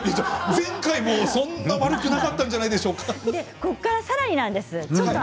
前回もそんなに悪くなかったじゃないですか。